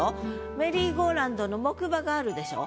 メリーゴーラウンドの木馬があるでしょ？